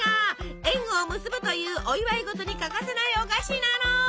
縁を結ぶというお祝い事に欠かせないお菓子なの！